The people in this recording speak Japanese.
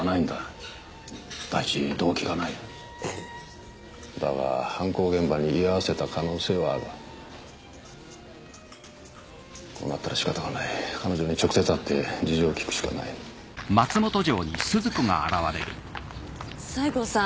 第一動機がないええだが犯行現場に居合わせた可能性はあるこうなったらしかたがない彼女に直接会って事情を聞くしかない西郷さん